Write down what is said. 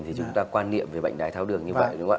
thì chúng ta quan niệm về bệnh đái tháo đường như vậy đúng không ạ